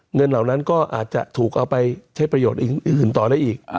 เหล่านั้นก็อาจจะถูกเอาไปใช้ประโยชน์อื่นต่อได้อีก